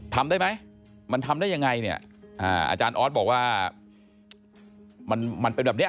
ทำได้ไหมมันทำได้ยังไงเนี่ยอาจารย์ออสบอกว่ามันมันเป็นแบบเนี้ย